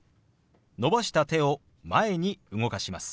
伸ばした手を前に動かします。